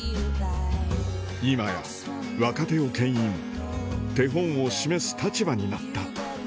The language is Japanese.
今や、若手をけん引、手本を示す立場になった。